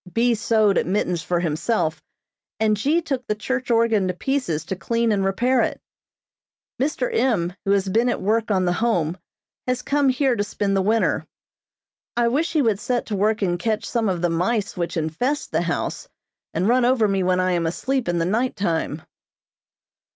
B. sewed at mittens for himself, and G. took the church organ to pieces to clean and repair it. Mr. M., who has been at work on the Home, has come here to spend the winter. I wish he would set to work and catch some of the mice which infest the house, and run over me when I am asleep in the night time.